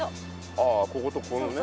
ああこことここのね。